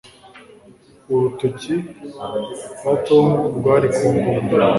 Urutoki rwa Tom rwari ku mbunda